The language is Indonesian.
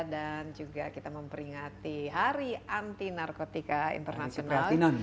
dan juga kita memperingati hari anti narkotika internasional